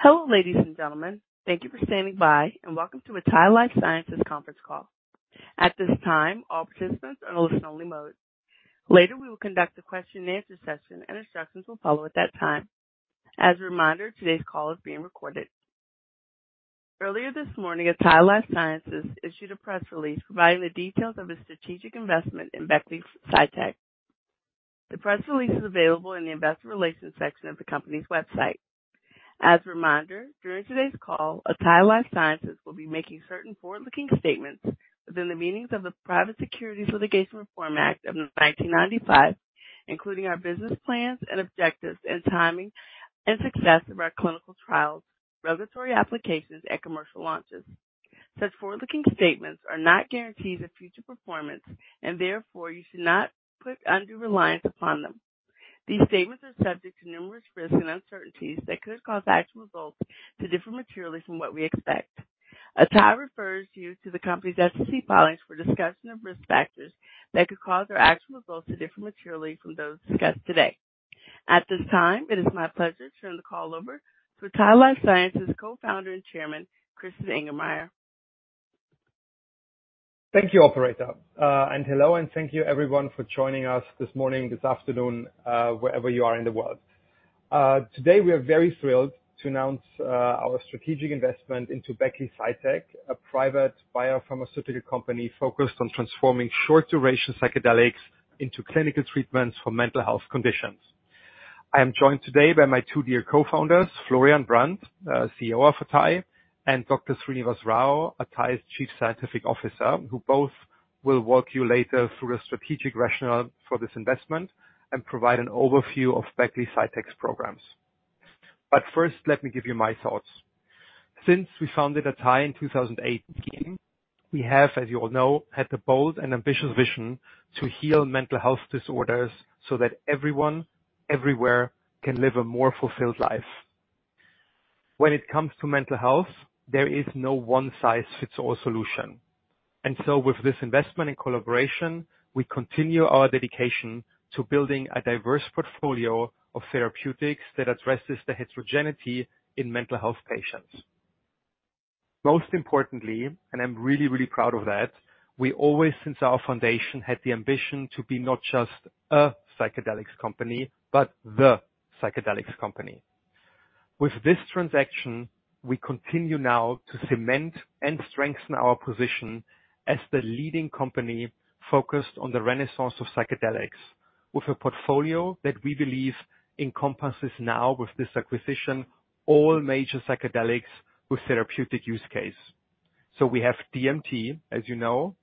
At this time, all participants are in a listen-only mode. Later, we will conduct a question-and-answer session, and instructions will follow at that time. As a reminder, today's call is being recorded. Earlier this morning, Atai Life Sciences issued a press release providing the details of its strategic investment in Beckley Psytech. The press release is available in the investor relations section of the company's website. As a reminder, during today's call, Atai Life Sciences will be making certain forward-looking statements within the meanings of the Private Securities Litigation Reform Act of 1995, including our business plans and objectives and timing and success of our clinical trials, regulatory applications, and commercial launches. Such forward-looking statements are not guarantees of future performance, and therefore, you should not put undue reliance upon them. These statements are subject to numerous risks and uncertainties that could cause actual results to differ materially from what we expect. Atai refers you to the company's SEC filings for discussion of risk factors that could cause our actual results to differ materially from those discussed today. At this time, it is my pleasure to turn the call over to Atai Life Sciences' co-founder and chairman, Christian Angermayer. Thank you, Operator. Hello, and thank you, everyone, for joining us this morning, this afternoon, wherever you are in the world. Today, we are very thrilled to announce our strategic investment into Beckley Psytech, a private biopharmaceutical company focused on transforming short-duration psychedelics into clinical treatments for mental health conditions. I am joined today by my two dear co-founders, Florian Brand, CEO of Atai, and Dr. Srinivas Rao, Atai's Chief Scientific Officer, who both will walk you later through the strategic rationale for this investment and provide an overview of Beckley Psytech's programs. First, let me give you my thoughts. Since we founded Atai in 2018, we have, as you all know, had the bold and ambitious vision to heal mental health disorders so that everyone, everywhere, can live a more fulfilled life. When it comes to mental health, there is no one-size-fits-all solution. With this investment and collaboration, we continue our dedication to building a diverse portfolio of therapeutics that addresses the heterogeneity in mental health patients. Most importantly, and I'm really, really proud of that, we always, since our foundation, had the ambition to be not just a psychedelics company but the psychedelics company. With this transaction, we continue now to cement and strengthen our position as the leading company focused on the renaissance of psychedelics, with a portfolio that we believe encompasses now, with this acquisition, all major psychedelics with therapeutic use case. We have DMT, as you know.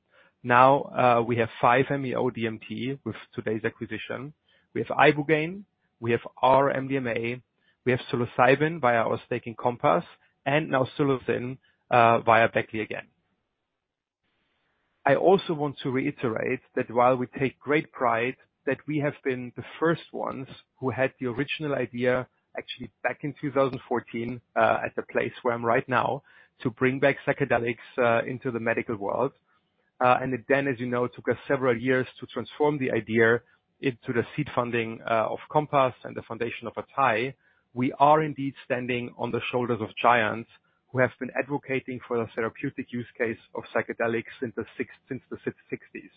Now, we have 5-MeO-DMT with today's acquisition. We have Ibogaine. We have R-MDMA. We have Psilocybin via our stake in Compass, and now Psilocin via Beckley again. I also want to reiterate that while we take great pride that we have been the first ones who had the original idea, actually back in 2014, at the place where I'm right now, to bring back psychedelics into the medical world. Then, as you know, it took us several years to transform the idea into the seed funding of Compass and the foundation of Atai. We are indeed standing on the shoulders of giants who have been advocating for the therapeutic use case of psychedelics since the 1960s.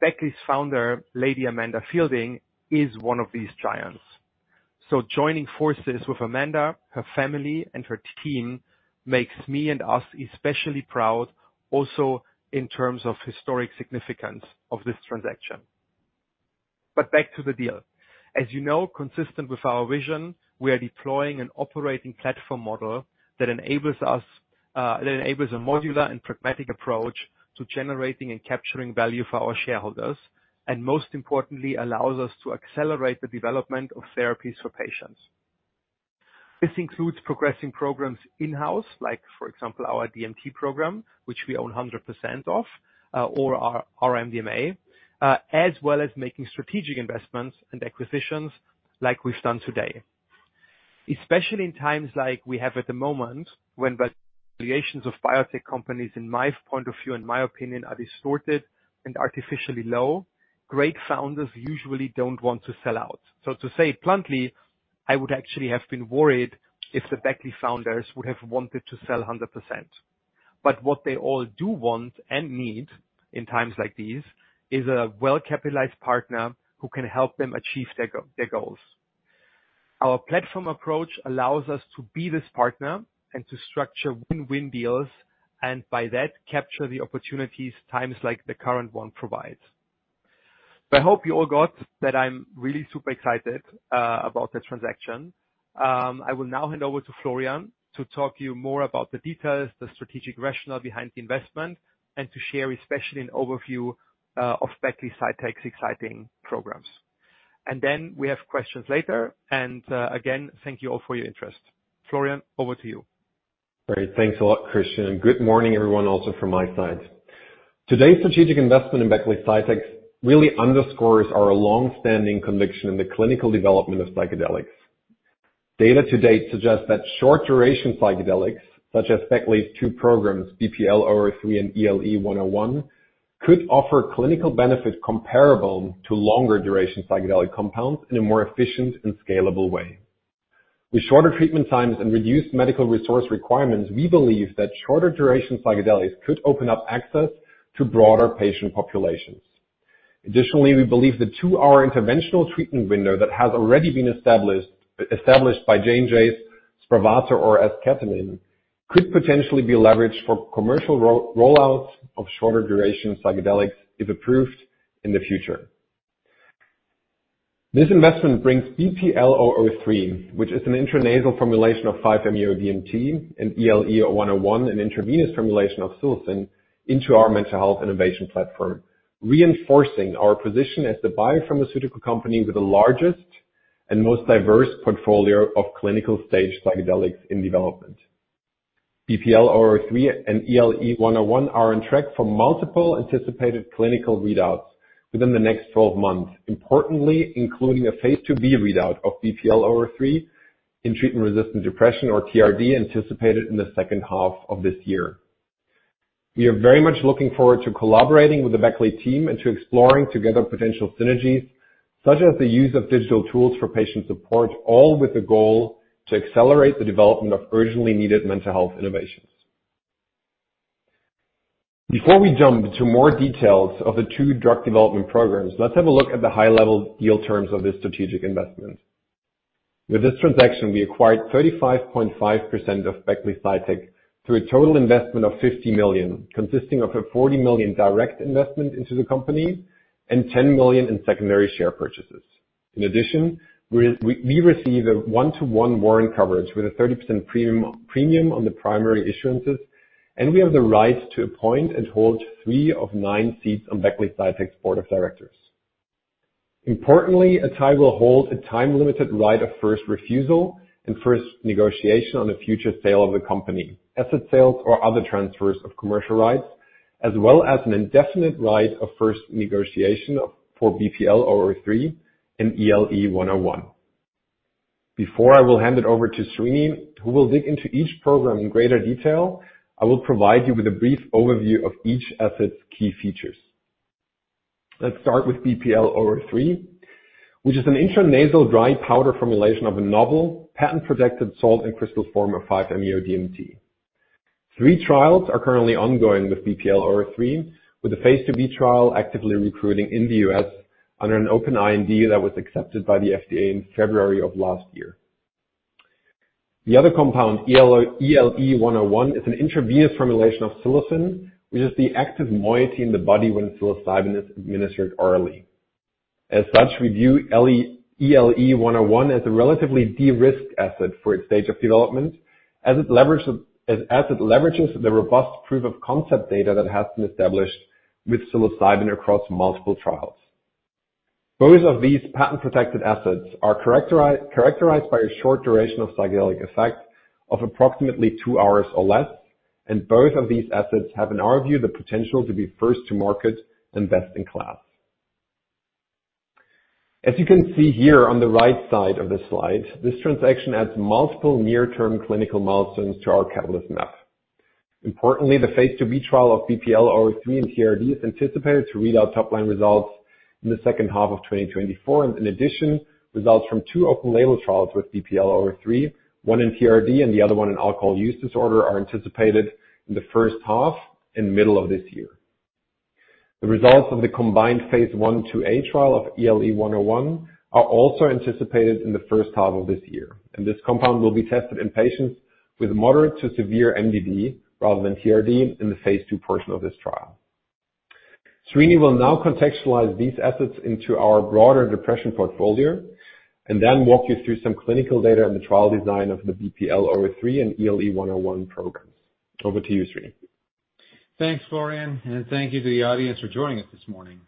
Beckley's founder, Lady Amanda Feilding, is one of these giants. Joining forces with Amanda, her family, and her team makes me and us especially proud, also in terms of historic significance of this transaction. Back to the deal. As you know, consistent with our vision, we are deploying an operating platform model that enables a modular and pragmatic approach to generating and capturing value for our shareholders, and most importantly, allows us to accelerate the development of therapies for patients. This includes progressing programs in-house, like, for example, our DMT program, which we own 100% of, or R-MDMA, as well as making strategic investments and acquisitions like we've done today. Especially in times like we have at the moment, when valuations of biotech companies, in my point of view, in my opinion, are distorted and artificially low, great founders usually don't want to sell out. To say it bluntly, I would actually have been worried if the Beckley founders would have wanted to sell 100%. What they all do want and need in times like these is a well-capitalized partner who can help them achieve their goals. Our platform approach allows us to be this partner and to structure win-win deals, and by that, capture the opportunities times like the current one provides. I hope you all got that I'm really super excited about the transaction. I will now hand over to Florian to talk to you more about the details, the strategic rationale behind the investment, and to share especially an overview of Beckley Psytech's exciting programs. We have questions later. Again, thank you all for your interest. Florian, over to you. Great. Thanks a lot, Christian. Good morning, everyone, also from my side. Today's strategic investment in Beckley Psytech really underscores our longstanding conviction in the clinical development of psychedelics. Data to date suggests that short-duration psychedelics, such as Beckley's two programs, BPL-003 and ELE-101, could offer clinical benefit comparable to longer-duration psychedelic compounds in a more efficient and scalable way. With shorter treatment times and reduced medical resource requirements, we believe that shorter-duration psychedelics could open up access to broader patient populations. Additionally, we believe the two-hour interventional treatment window that has already been established by J&J Spravato or esketamine could potentially be leveraged for commercial rollouts of shorter-duration psychedelics, if approved, in the future. This investment brings BPL-003, which is an intranasal formulation of 5-MeO-DMT, and ELE-101, an intravenous formulation of psilocin, into our mental health innovation platform, reinforcing our position as the biopharmaceutical company with the largest and most diverse portfolio of clinical-stage psychedelics in development. BPL-003 and ELE-101 are on track for multiple anticipated clinical readouts within the next 12 months, importantly including a phase IIB readout of BPL-003 in treatment-resistant depression, or TRD, anticipated in the second half of this year. We are very much looking forward to collaborating with the Beckley team and to exploring together potential synergies, such as the use of digital tools for patient support, all with the goal to accelerate the development of urgently needed mental health innovations. Before we jump to more details of the two drug development programs, let's have a look at the high-level deal terms of this strategic investment. With this transaction, we acquired 35.5% of Beckley Psytech through a total investment of $50 million, consisting of a $40 million direct investment into the company and $10 million in secondary share purchases. In addition, we receive a one-to-one warrant coverage with a 30% premium on the primary issuances, and we have the right to appoint and hold three of nine seats on Beckley Psytech's board of directors. Importantly, Atai will hold a time-limited right of first refusal and first negotiation on a future sale of the company, asset sales, or other transfers of commercial rights, as well as an indefinite right of first negotiation for BPL-003 and ELE-101. Before I will hand it over to Srini, who will dig into each program in greater detail, I will provide you with a brief overview of each asset's key features. Let's start with BPL-003, which is an intranasal dry powder formulation of a novel patent-protected salt and crystal form of 5-MeO-DMT. Three trials are currently ongoing with BPL-003, with the phase IIB trial actively recruiting in the U.S. under an open IND that was accepted by the FDA in February of last year. The other compound, ELE-101, is an intravenous formulation of Psilocin, which is the active moiety in the body when Psilocybin is administered orally. As such, we view ELE-101 as a relatively de-risked asset for its stage of development, as it leverages the robust proof-of-concept data that has been established with Psilocybin across multiple trials. Both of these patent-protected assets are characterized by a short duration of psychedelic effect of approximately two hours or less, and both of these assets have, in our view, the potential to be first to market and best in class. As you can see here on the right side of the slide, this transaction adds multiple near-term clinical milestones to our catalyst map. Importantly, the phase 2B trial of BPL-003 in TRD is anticipated to read out top-line results in the second half of 2024. In addition, results from two open-label trials with BPL-003, one in TRD and the other one in alcohol use disorder, are anticipated in the first half and middle of this year. The results of the combined phase I-2A trial of ELE-101 are also anticipated in the first half of this year. This compound will be tested in patients with moderate to severe MDD rather than TRD in the phase 2 portion of this trial. Srini will now contextualize these assets into our broader depression portfolio and then walk you through some clinical data and the trial design of the BPL-003 and ELE-101 programs. Over to you, Srini. Thanks, Florian. Thank you to the audience for joining us this morning.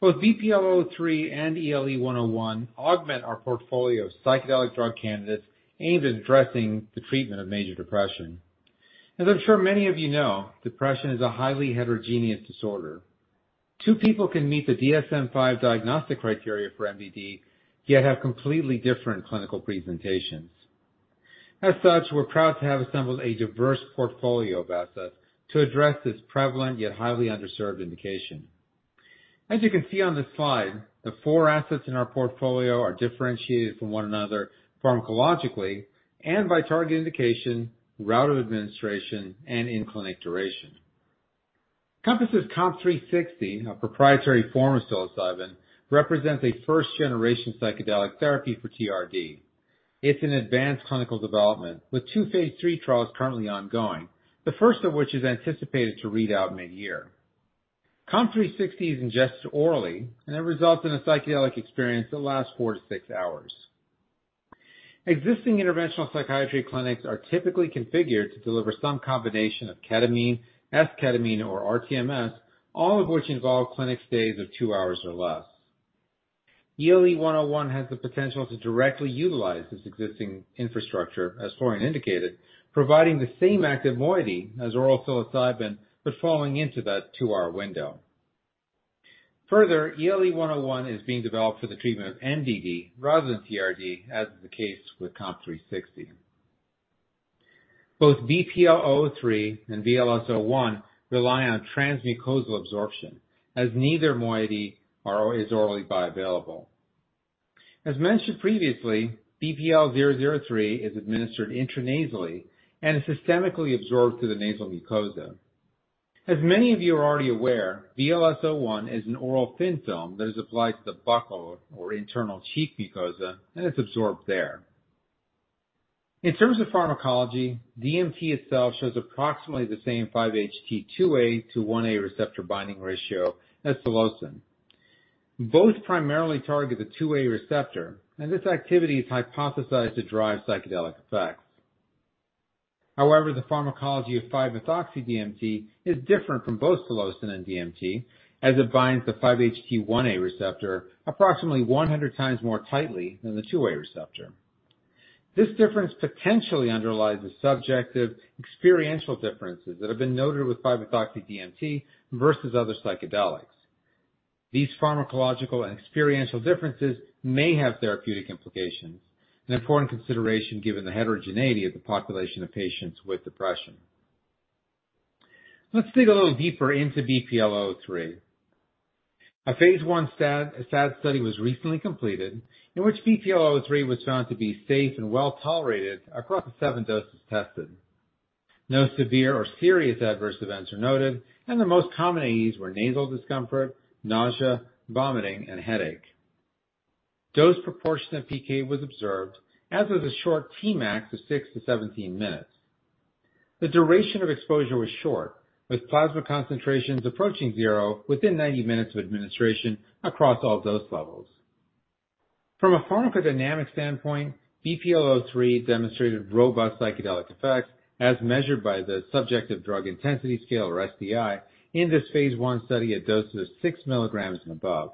Both BPL-003 and ELE-101 augment our portfolio of psychedelic drug candidates aimed at addressing the treatment of major depression. As I'm sure many of you know, depression is a highly heterogeneous disorder. Two people can meet the DSM-5 diagnostic criteria for MDD, yet have completely different clinical presentations. As such, we're proud to have assembled a diverse portfolio of assets to address this prevalent yet highly underserved indication. As you can see on this slide, the four assets in our portfolio are differentiated from one another pharmacologically and by target indication, route of administration, and in-clinic duration. Compass's COMP360, a proprietary form of psilocybin, represents a first-generation psychedelic therapy for TRD. It's in advanced clinical development with two phase 3 trials currently ongoing, the first of which is anticipated to read out mid-year. COMP360 is ingested orally, and it results in a psychedelic experience that lasts four to six hours. Existing interventional psychiatry clinics are typically configured to deliver some combination of ketamine, esketamine, or rTMS, all of which involve clinic stays of two hours or less. ELE-101 has the potential to directly utilize this existing infrastructure, as Florian indicated, providing the same active moiety as oral psilocybin but falling into that two-hour window. Further, ELE-101 is being developed for the treatment of MDD rather than TRD, as is the case with COMP360. Both BPL-003 and VLS-01 rely on transmucosal absorption, as neither moiety is orally bioavailable. As mentioned previously, BPL-003 is administered intranasally and is systemically absorbed through the nasal mucosa. As many of you are already aware, VLS-01 is an oral thin film that is applied to the buccal or internal cheek mucosa, and it's absorbed there. In terms of pharmacology, DMT itself shows approximately the same 5-HT2A to 1A receptor binding ratio as Psilocin. Both primarily target the 2A receptor, and this activity is hypothesized to drive psychedelic effects. However, the pharmacology of 5-MeO-DMT is different from both Psilocin and DMT, as it binds the 5-HT1A receptor approximately 100 times more tightly than the 2A receptor. This difference potentially underlies the subjective experiential differences that have been noted with 5-MeO-DMT versus other psychedelics. These pharmacological and experiential differences may have therapeutic implications, an important consideration given the heterogeneity of the population of patients with depression. Let's dig a little deeper into BPL-003. A phase I SAD study was recently completed, in which BPL-003 was found to be safe and well tolerated across the seven doses tested. No severe or serious adverse events were noted, and the most common AEs were nasal discomfort, nausea, vomiting, and headache. Dose proportion of PK was observed, as was a short TMAX of six to 17 minutes. The duration of exposure was short, with plasma concentrations approaching zero within 90 minutes of administration across all dose levels. From a pharmacodynamic standpoint, BPL-003 demonstrated robust psychedelic effects, as measured by the subjective drug intensity scale, or SDI, in this phase I study at doses of 6 milligrams and above.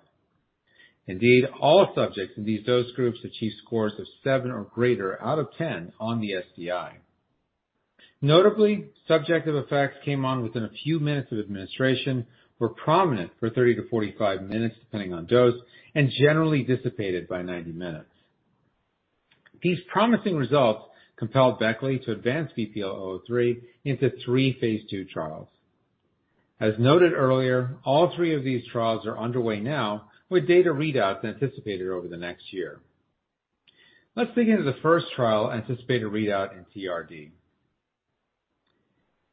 Indeed, all subjects in these dose groups achieved scores of seven or greater out of 10 on the SDI. Notably, subjective effects came on within a few minutes of administration, were prominent for 30-45 minutes, depending on dose, and generally dissipated by 90 minutes. These promising results compelled Beckley to advance BPL-003 into three phase II trials. As noted earlier, all three of these trials are underway now, with data readouts anticipated over the next year. Let's dig into the first trial anticipated readout in TRD.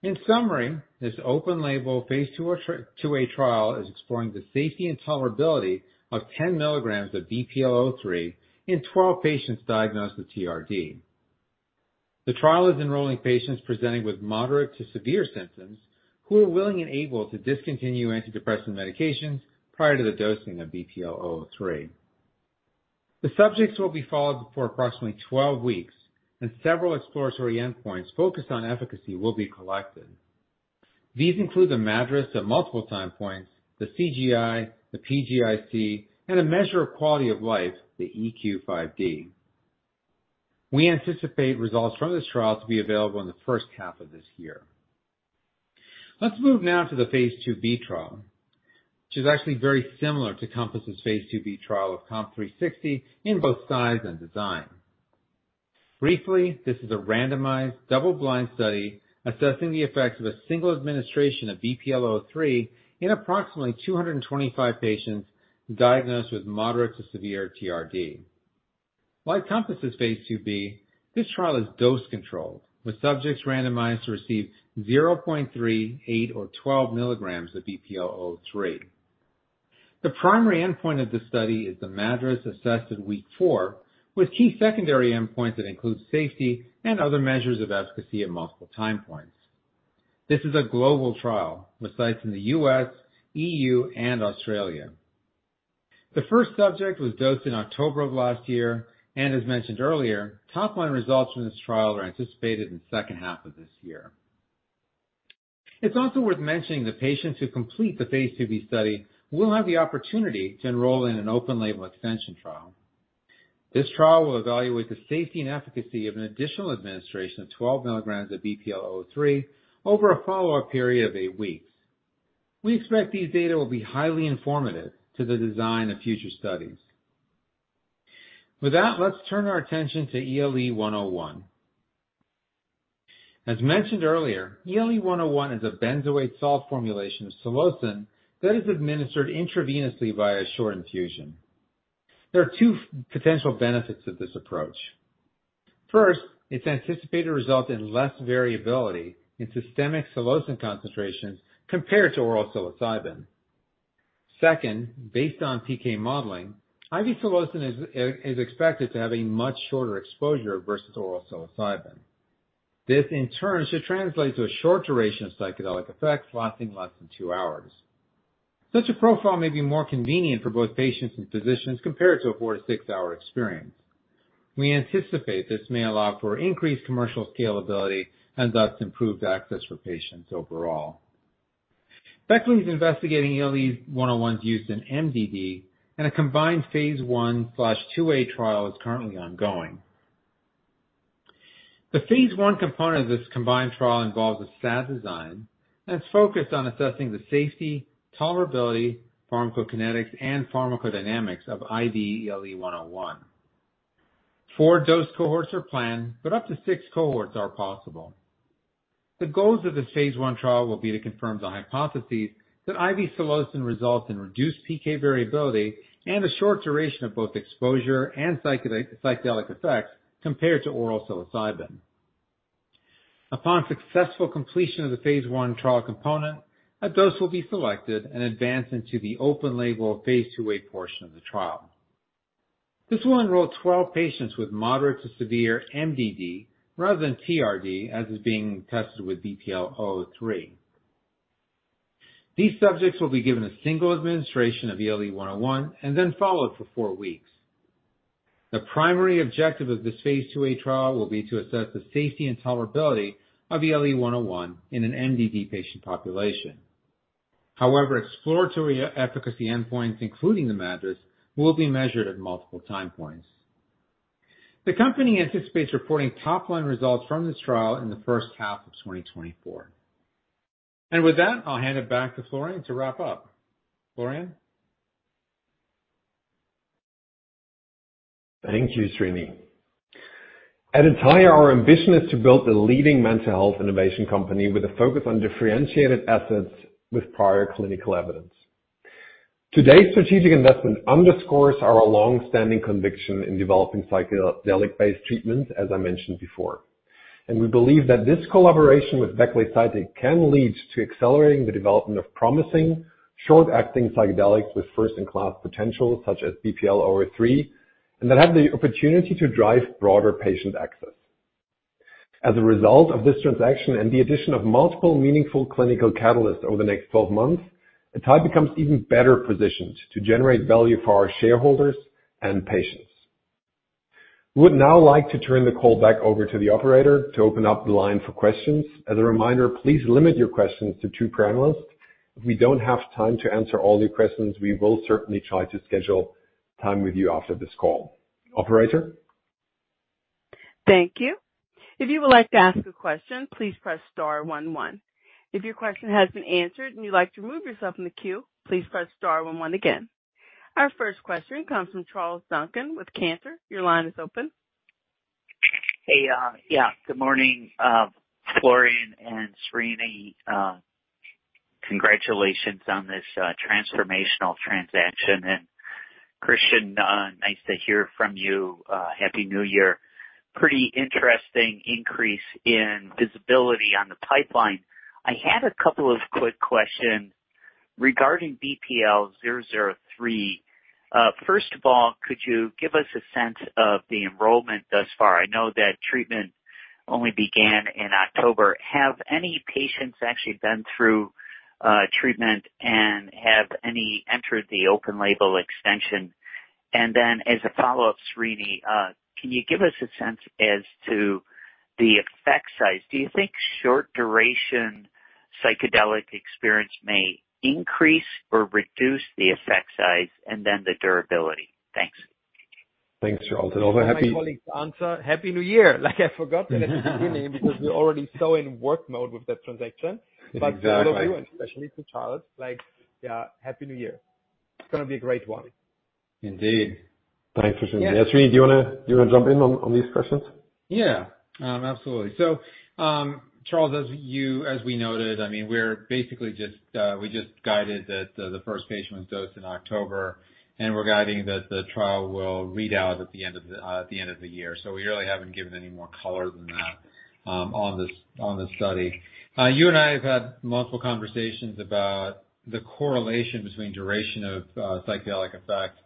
In summary, this open-label phase IIA trial is exploring the safety and tolerability of 10 milligrams of BPL-003 in 12 patients diagnosed with TRD. The trial is enrolling patients presenting with moderate to severe symptoms who are willing and able to discontinue antidepressant medications prior to the dosing of BPL-003. The subjects will be followed for approximately 12 weeks, and several exploratory endpoints focused on efficacy will be collected. These include the MADRS at multiple time points, the CGI, the PGIC, and measure of quality of life, the EQ-5D. We anticipate results from this trial to be available in the first half of this year. Let's move now to the phase IIB trial, which is actually very similar to Compass's phase 2B trial of COMP360 in both size and design. Briefly, this is a randomized, double-blind study assessing the effects of a single administration of BPL-003 in approximately 225 patients diagnosed with moderate to severe TRD. Like Compass's phase IIB, this trial is dose-controlled, with subjects randomized to receive 0.3, eight, or 12 milligrams of BPL-003. The primary endpoint of this study is the MADRS assessed at week four, with key secondary endpoints that include safety and other measures of efficacy at multiple time points. This is a global trial, with sites in the U.S., EU, and Australia. The first subject was dosed in October of last year, and as mentioned earlier, top-line results from this trial are anticipated in the second half of this year. It's also worth mentioning that patients who complete the phase IIB study will have the opportunity to enroll in an open-label extension trial. This trial will evaluate the safety and efficacy of an additional administration of 12 milligrams of BPL-003 over a follow-up period of eight weeks. We expect these data will be highly informative to the design of future studies. With that, let's turn our attention to ELE-101. As mentioned earlier, ELE-101 is a benzoate salt formulation of Psilocin that is administered intravenously via a short infusion. There are two potential benefits of this approach. First, it's anticipated to result in less variability in systemic Psilocin concentrations compared to oral Psilocybin. Second, based on PK modeling, IV Psilocin is expected to have a much shorter exposure versus oral Psilocybin. This, in turn, should translate to a short duration of psychedelic effects lasting less than two hours. Such a profile may be more convenient for both patients and physicians compared to a four to six-hour experience. We anticipate this may allow for increased commercial scalability and thus improved access for patients overall. Beckley is investigating ELE-101's use in MDD, and a combined phase I+IIA trial is currently ongoing. The phase I component of this combined trial involves a SAD design and is focused on assessing the safety, tolerability, pharmacokinetics, and pharmacodynamics of IV ELE-101. Four dose cohorts are planned, but up to six cohorts are possible. The goals of this phase I trial will be to confirm the hypotheses that IV Psilocin results in reduced PK variability and a short duration of both exposure and psychedelic effects compared to oral Psilocybin. Upon successful completion of the phase I trial component, a dose will be selected and advanced into the open-label phase IIA portion of the trial. This will enroll 12 patients with moderate to severe MDD rather than TRD, as is being tested with BPL-003. These subjects will be given a single administration of ELE-101 and then followed for four weeks. The primary objective of this phase IIA trial will be to assess the safety and tolerability of ELE-101 in an MDD patient population. However, exploratory efficacy endpoints, including the MADRS, will be measured at multiple time points. The company anticipates reporting top-line results from this trial in the first half of 2024. With that, I'll hand it back to Florian to wrap up. Florian? Thank you, Srini. At Atai, our ambition is to build the leading mental health innovation company with a focus on differentiated assets with prior clinical evidence. Today's strategic investment underscores our longstanding conviction in developing psychedelic-based treatments, as I mentioned before. We believe that this collaboration with Beckley Psytech can lead to accelerating the development of promising, short-acting psychedelics with first-in-class potential, such as BPL-003, and that have the opportunity to drive broader patient access. As a result of this transaction and the addition of multiple meaningful clinical catalysts over the next 12 months, Atai becomes even better positioned to generate value for our shareholders and patients. We would now like to turn the call back over to the operator to open up the line for questions. As a reminder, please limit your questions to two panelists. If we don't have time to answer all your questions, we will certainly try to schedule time with you after this call. Operator? Thank you. If you would like to ask a question, please press star one one. If your question has been answered and you'd like to remove yourself from the queue, please press star one one again. Our first question comes from Charles Duncan with Cantor. Your line is open. Hey, yeah, good morning, Florian and Srini. Congratulations on this transformational transaction. And Christian, nice to hear from you. Happy New Year. Pretty interesting increase in visibility on the pipeline. I had a couple of quick questions regarding BPL-003. First of all, could you give us a sense of the enrollment thus far? I know that treatment only began in October. Have any patients actually been through treatment and have any entered the open-label extension? As a follow-up, Srini, can you give us a sense as to the effect size? Do you think short-duration psychedelic experience may increase or reduce the effect size and then the durability? Thanks. Thanks, Charles. Also, happy. My colleagues answer, happy New Year. Like I forgot at the beginning because we're already so in work mode with that transaction. To all of you, and especially to Charles, yeah, happy New Year. It's going to be a great one. Indeed. Thanks for saying that. Srini, do you want to jump in on these questions? Yeah, absolutely. Charles, as we noted, I mean, we just guided that the first patient was dosed in October, and we're guiding that the trial will read out at the end of the year. We really haven't given any more color than that on this study. You and I have had multiple conversations about the correlation between duration of psychedelic effect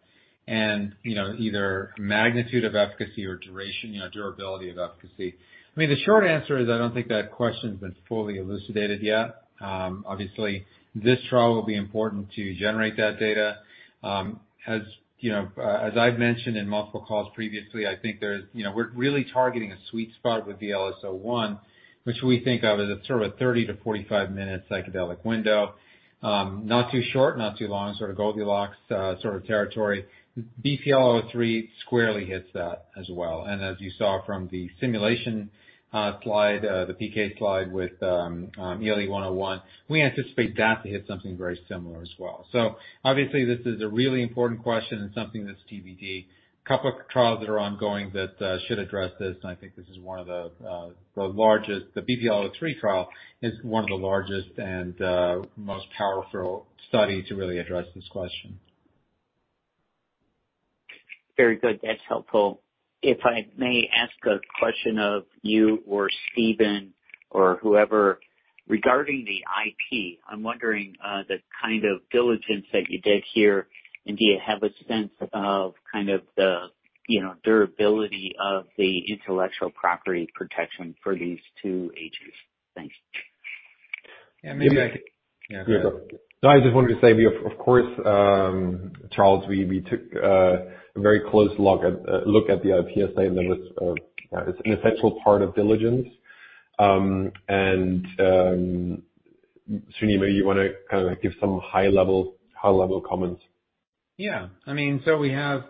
and either magnitude of efficacy or durability of efficacy. I mean, the short answer is I don't think that question has been fully elucidated yet. Obviously, this trial will be important to generate that data. As I've mentioned in multiple calls previously, I think we're really targeting a sweet spot with VLS-01, which we think of as a sort of a 30-45 minute psychedelic window. Not too short, not too long, sort of Goldilocks sort of territory. BPL-003 squarely hits that as well. As you saw from the simulation slide, the PK slide with ELE-101, we anticipate that to hit something very similar as well. Obviously, this is a really important question and something that's TBD. A couple of trials that are ongoing should address this, and I think this is one of the largest. The BPL-003 trial is one of the largest and most powerful studies to really address this question. Very good. That's helpful. If I may ask a question of you or Stephen or whoever regarding the IP, I'm wondering the kind of diligence that you did here. And do you have a sense of kind of the durability of the intellectual property protection for these two agents? Thanks. Yeah, maybe I could. You go. No, I just wanted to say, of course, Charles, we took a very close look at the IP, and that was an essential part of diligence. Srini, maybe you want to kind of give some high-level comments? Yeah. I mean, we have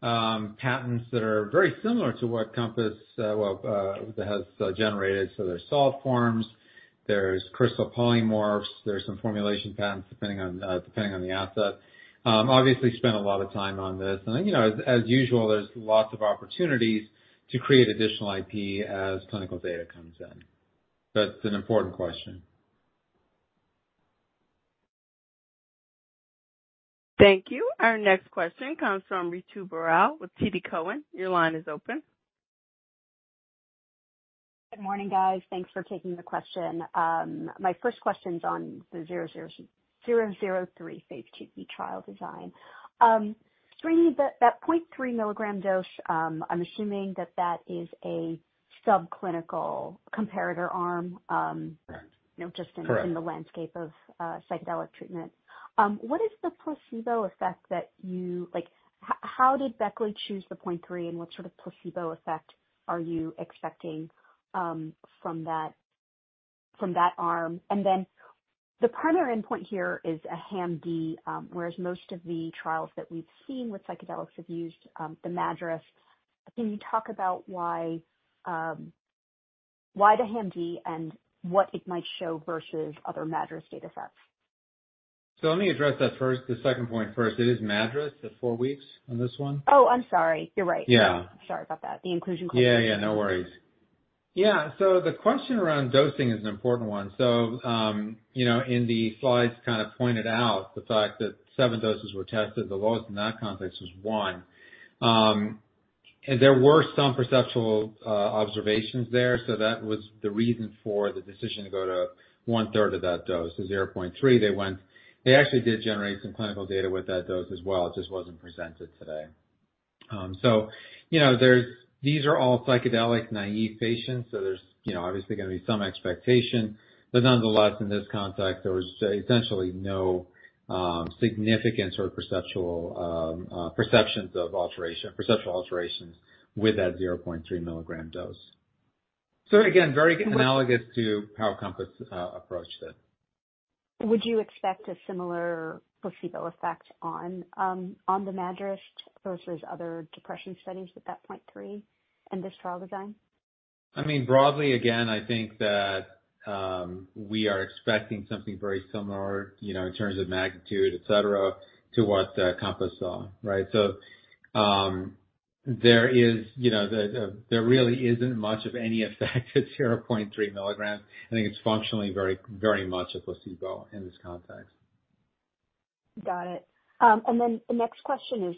patents that are very similar to what Compass has generated. There are salt forms, there are crystal polymorphs, there are some formulation patents depending on the asset. Obviously, we spent a lot of time on this. As usual, there are lots of opportunities to create additional IP as clinical data comes in. That is an important question. Thank you. Our next question comes from Ritu Baral with TD Cowen. Your line is open. Good morning, guys. Thanks for taking the question. My first question's on the 003 phase 2B trial design. Srini, that 0.3 milligram dose, I'm assuming that that is a subclinical comparator arm, just in the landscape of psychedelic treatment. What is the placebo effect that you how did Beckley choose the 0.3, and what sort of placebo effect are you expecting from that arm? The primary endpoint here is a HAM-D, whereas most of the trials that we've seen with psychedelics have used the MADRS. Can you talk about why the HAM-D and what it might show versus other MADRS data sets? Let me address that first, the second point first. It is MADRS at four weeks on this one? Oh, I'm sorry. You're right. Yeah. Sorry about that. The inclusion question. Yeah, yeah. No worries. Yeah. The question around dosing is an important one. In the slides, kind of pointed out the fact that seven doses were tested. The lowest in that context was one. There were some perceptual observations there. That was the reason for the decision to go to one-third of that dose, the 0.3. They actually did generate some clinical data with that dose as well. It just was not presented today. These are all psychedelic naive patients. There is obviously going to be some expectation. Nonetheless, in this context, there was essentially no significant sort of perceptual perceptions of alteration, perceptual alterations with that 0.3 milligram dose. Again, very analogous to how Compass approached it. Would you expect a similar placebo effect on the MADRS versus other depression studies with that 0.3 in this trial design? I mean, broadly, again, I think that we are expecting something very similar in terms of magnitude, etc., to what compass saw, right? There really isn't much of any effect at 0.3 milligrams. I think it's functionally very much a placebo in this context. Got it. The next question is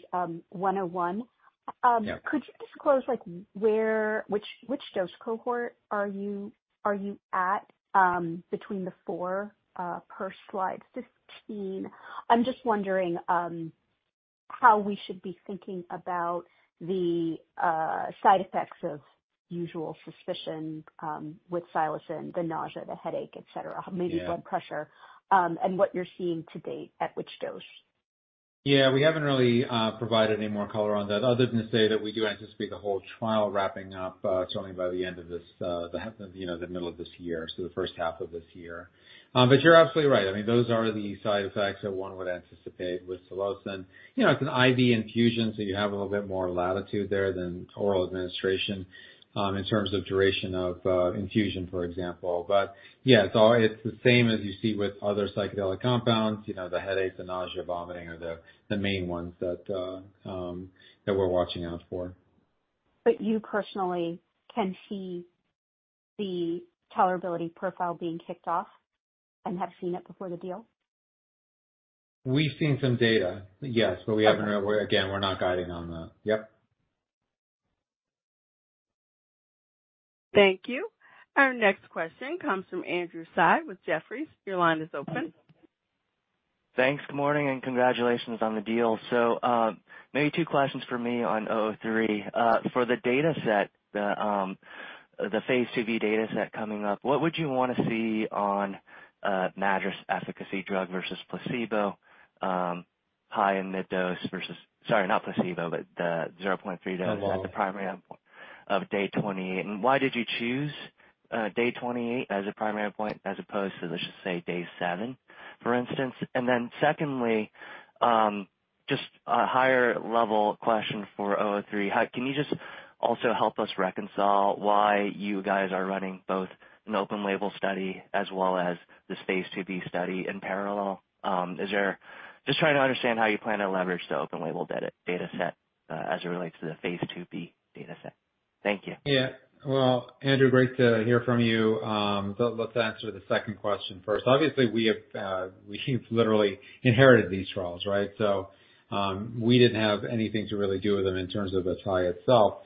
101. Could you disclose which dose cohort are you at between the four per slide 15? I'm just wondering how we should be thinking about the side effects of usual suspicion with Psilocin, the nausea, the headache, etc., maybe blood pressure, and what you're seeing to date at which dose? Yeah. We haven't really provided any more color on that other than to say that we do anticipate the whole trial wrapping up certainly by the end of this, the middle of this year, so the first half of this year. You're absolutely right. I mean, those are the side effects that one would anticipate with Psilocin. It's an IV infusion, so you have a little bit more latitude there than oral administration in terms of duration of infusion, for example. Yeah, it's the same as you see with other psychedelic compounds. The headache, the nausea, vomiting are the main ones that we're watching out for. You personally can see the tolerability profile being kicked off and have seen it before the deal? We've seen some data, yes. Yet again, we're not guiding on that. Yep. Thank you. Our next question comes from Andrew Tsai with Jefferies. Your line is open. Thanks. Good morning and congratulations on the deal. Maybe two questions for me on 003. For the data set, the phase IIB data set coming up, what would you want to see on MADRS efficacy drug versus 0.3 dose, high and mid-dose versus, sorry, not placebo, but the 0.3 dose as the primary endpoint at day 28? Why did you choose day 28 as a primary endpoint as opposed to, let's just say, day seven, for instance? Secondly, just a higher-level question for 003. Can you also help us reconcile why you guys are running both an open-label study as well as this phase IIB study in parallel? Just trying to understand how you plan to leverage the open-label data set as it relates to the phase IIB data set. Thank you. Yeah. Andrew, great to hear from you. Let's answer the second question first. Obviously, we've literally inherited these trials, right? We didn't have anything to really do with them in terms of Atai itself.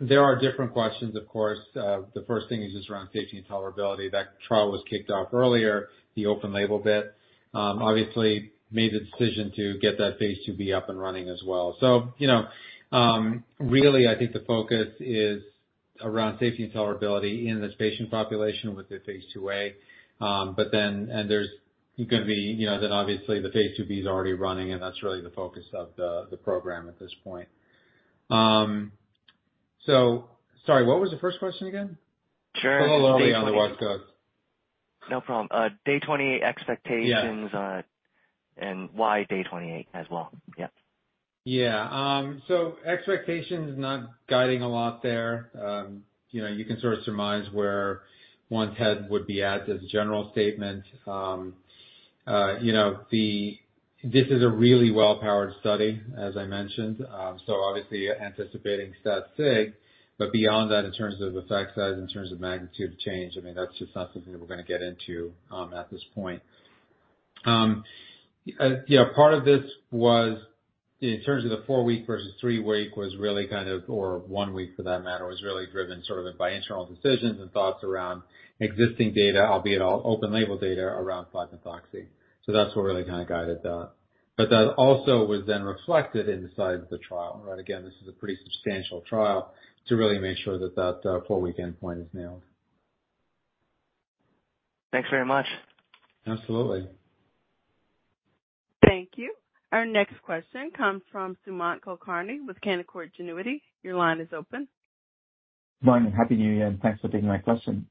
There are different questions, of course. The first thing is just around safety and tolerability. That trial was kicked off earlier, the open-label bit. Obviously, made the decision to get that phase IIB up and running as well. I think the focus is around safety and tolerability in this patient population with the phase IIA. There's going to be then obviously the phase IIB is already running, and that's really the focus of the program at this point. Sorry, what was the first question again? Sure. A little early on the West Coast. No problem. Day 28 expectations and why day 28 as well. Yeah. Yeah. Expectations, not guiding a lot there. You can sort of surmise where one's head would be at as a general statement. This is a really well-powered study, as I mentioned. Obviously, anticipating STAT-SIG. Beyond that, in terms of effect size, in terms of magnitude of change, I mean, that's just not something that we're going to get into at this point. Part of this was in terms of the four-week versus three-week was really kind of, or one-week for that matter, really driven sort of by internal decisions and thoughts around existing data, albeit all open-label data around 5-MeO-DMT. That's what really kind of guided that. That also was then reflected in the size of the trial, right? Again, this is a pretty substantial trial to really make sure that that four-week endpoint is nailed. Thanks very much. Absolutely. Thank you. Our next question comes from Sumant Kulkarni with Canaccord Genuity. Your line is open. Good morning. Happy New Year. Thanks for taking my question.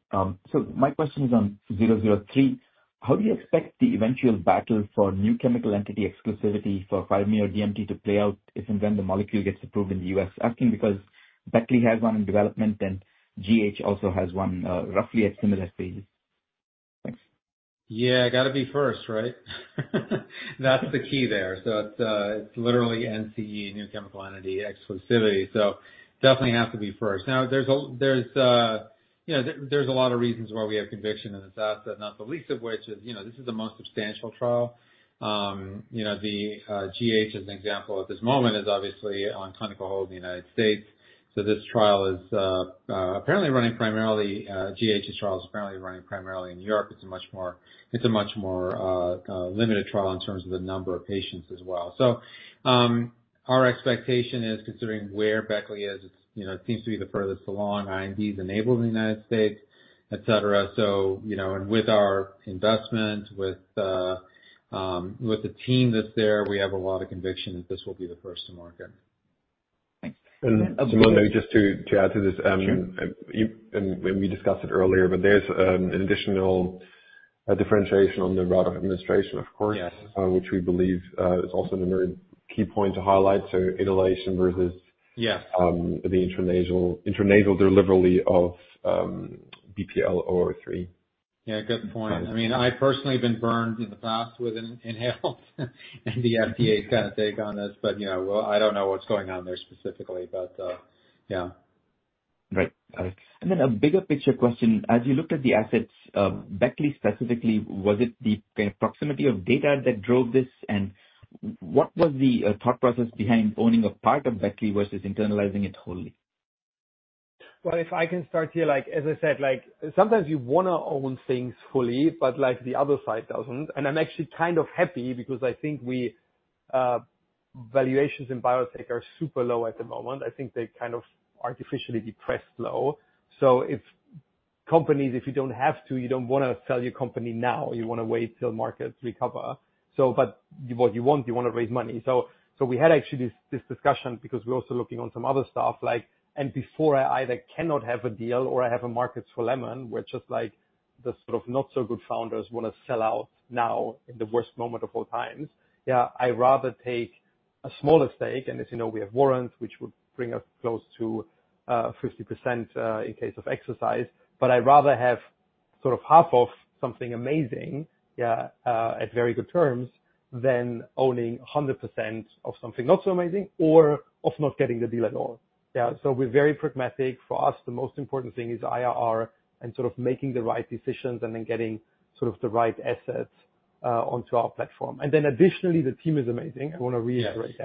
My question is on 003. How do you expect the eventual battle for new chemical entity exclusivity for 5-MeO-DMT to play out if and when the molecule gets approved in the U.S.? Asking because Beckley has one in development and GH also has one roughly at similar stages. Thanks. Yeah. Got to be first, right? That's the key there. It's literally NCE, new chemical entity exclusivity. Definitely have to be first. Now, there's a lot of reasons why we have conviction in this asset, not the least of which is this is the most substantial trial. GH, as an example, at this moment is obviously on clinical hold in the United States. This trial is apparently running primarily, GH's trial is apparently running primarily in New York. It's a much more limited trial in terms of the number of patients as well. Our expectation is considering where Beckley is, it seems to be the furthest along, IND is enabled in the United States, etc. With our investment, with the team that's there, we have a lot of conviction that this will be the first to market. Thanks. Sumant, maybe just to add to this. We discussed it earlier, but there's an additional differentiation on the route of administration, of course, which we believe is also another key point to highlight. Inhalation versus the intranasal delivery of BPL-003. Yeah. Good point. I mean, I've personally been burned in the past with inhaled and the FDA's kind of take on this. I don't know what's going on there specifically, but yeah. Right. A bigger picture question. As you looked at the assets, Beckley specifically, was it the proximity of data that drove this? What was the thought process behind owning a part of Beckley versus internalizing it wholly? If I can start here, as I said, sometimes you want to own things fully, but the other side doesn't. I'm actually kind of happy because I think valuations in biotech are super low at the moment. I think they're kind of artificially depressed low. If companies, if you don't have to, you don't want to sell your company now. You want to wait till markets recover. What you want, you want to raise money. We had actually this discussion because we're also looking on some other stuff. Before I either cannot have a deal or I have a market for lemon, where just the sort of not-so-good founders want to sell out now in the worst moment of all times, yeah, I'd rather take a smaller stake. As you know, we have warrants, which would bring us close to 50% in case of exercise. I would rather have sort of half of something amazing, at very good terms, than owning 100% of something not so amazing or of not getting the deal at all. We are very pragmatic. For us, the most important thing is IRR and sort of making the right decisions and then getting sort of the right assets onto our platform. Additionally, the team is amazing. I want to reiterate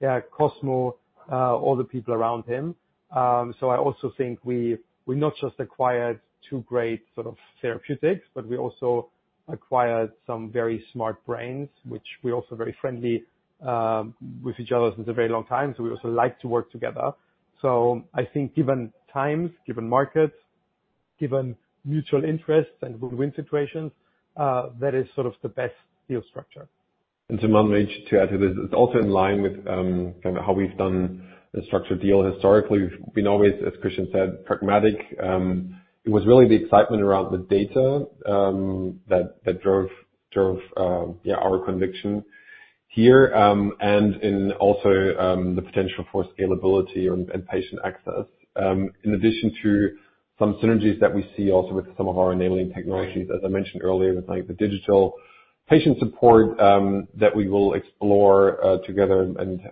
that. Cosmo, all the people around him. I also think we not just acquired two great sort of therapeutics, but we also acquired some very smart brains, which we are also very friendly with each other since a very long time. We also like to work together. I think given times, given markets, given mutual interests and win-win situations, that is sort of the best deal structure. Sumant, maybe just to add to this, it's also in line with kind of how we've done the structured deal historically. We've been always, as Christian said, pragmatic. It was really the excitement around the data that drove, yeah, our conviction here and in also the potential for scalability and patient access, in addition to some synergies that we see also with some of our enabling technologies, as I mentioned earlier, with the digital patient support that we will explore together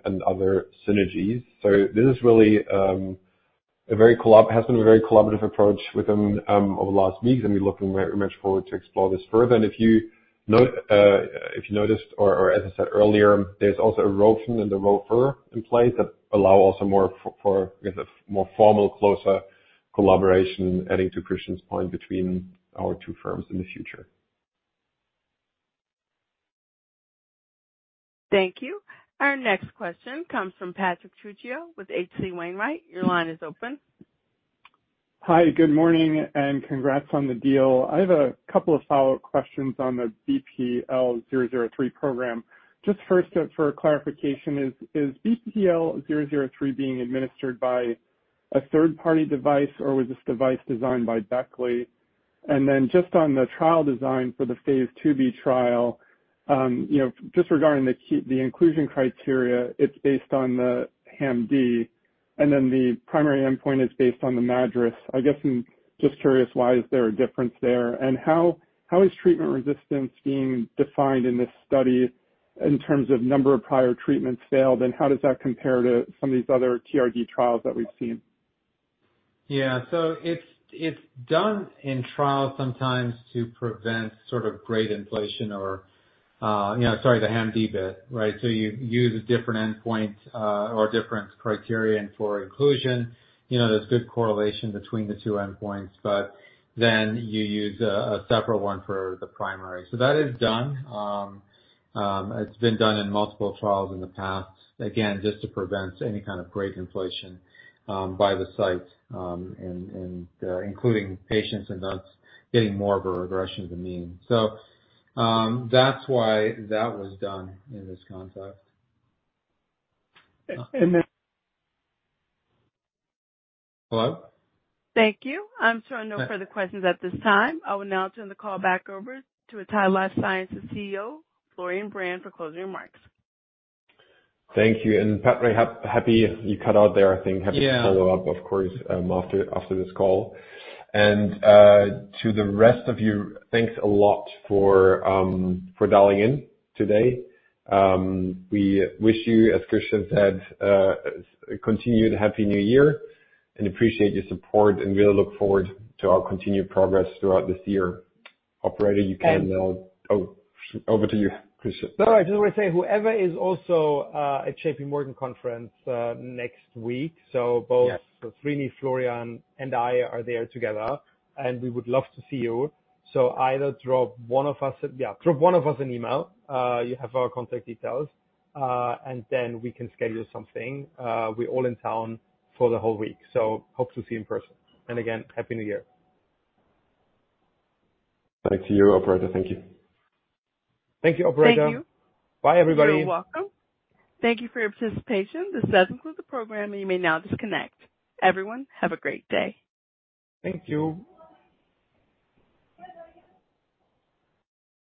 and other synergies. This is really a very collaborative approach with them over the last weeks. We're looking very much forward to explore this further. If you noticed, or as I said earlier, there's also a ROFN and the ROFR in place that allow also more for, I guess, a more formal, closer collaboration, adding to Christian's point between our two firms in the future. Thank you. Our next question comes from Patrick Trucchio with H.C. Wainwright. Your line is open. Hi. Good morning and congrats on the deal. I have a couple of follow-up questions on the BPL-003 program. Just first, for clarification, is BPL-003 being administered by a third-party device, or was this device designed by Beckley? Just on the trial design for the phase IIB trial, regarding the inclusion criteria, it's based on the HAM-D, and then the primary endpoint is based on the MADRS. I guess I'm just curious, why is there a difference there? How is treatment resistance being defined in this study in terms of number of prior treatments failed? How does that compare to some of these other TRD trials that we've seen? Yeah. It's done in trials sometimes to prevent sort of grade inflation or, sorry, the HAM-D bit, right? You use a different endpoint or a different criterion for inclusion. There's good correlation between the two endpoints, but then you use a separate one for the primary. That is done. It's been done in multiple trials in the past, again, just to prevent any kind of grade inflation by the site, including patients and us getting more of a regression of the mean. That's why that was done in this context. And then. Hello? Thank you. I'm throwing no further questions at this time. I will now turn the call back over to Atai Life Sciences CEO, Florian Brand, for closing remarks. Thank you. Patrick, you cut out there, I think. Happy to follow up, of course, after this call. To the rest of you, thanks a lot for dialing in today. We wish you, as Christian said, continued Happy New Year and appreciate your support and really look forward to our continued progress throughout this year. Operator, you can now. Oh, over to you, Christian. No, I just want to say whoever is also at J.P. Morgan Conference next week, both Srini, Florian, and I are there together, and we would love to see you. Either drop one of us, yeah, drop one of us an email. You have our contact details, and then we can schedule something. We are all in town for the whole week. Hope to see you in person. Again, Happy New Year. Thanks to you, Operator. Thank you. Thank you, Operator. Thank you. Bye, everybody. You're welcome. Thank you for your participation. This does include the program, and you may now disconnect. Everyone, have a great day. Thank you.